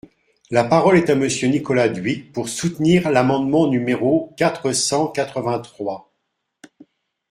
La parole est à Monsieur Nicolas Dhuicq, pour soutenir l’amendement numéro quatre cent quatre-vingt-trois.